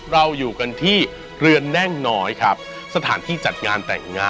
รักมากครับผมมากจริง